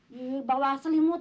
di bawah selimut